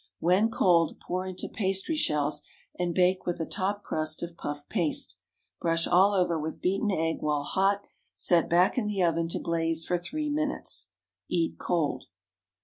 When cold pour into pastry shells, and bake with a top crust of puff paste. Brush all over with beaten egg while hot, set back in the oven to glaze for three minutes. Eat cold.